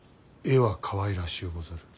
絵はかわいらしゅうござる。